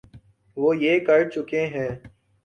وہ یہ کر چکے ہیں۔